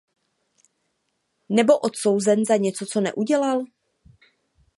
Nebo odsouzen za něco, co neudělal?